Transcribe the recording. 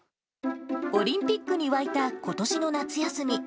オリンピックに沸いたことしの夏休み。